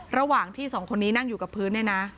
ระหว่างที่สองคนนี้นั่งอยู่กับพื้นเนี่ยนะ